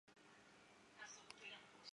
内角石是一属已灭绝的鹦鹉螺类。